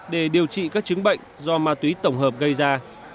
để điều trị các chứng bệnh do ma túy tổng hợp gây ra